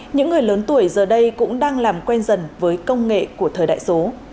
những người lớn tuổi giờ đây cũng đang làm quen dần với công nghệ của thời đại số